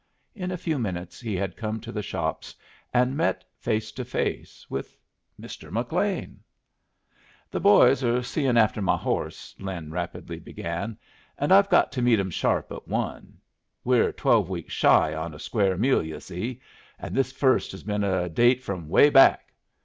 In a few minutes he had come to the shops, and met face to face with Mr. McLean. "The boys are seein' after my horse," Lin rapidly began, "and I've got to meet 'em sharp at one. We're twelve weeks shy on a square meal, yu' see, and this first has been a date from 'way back.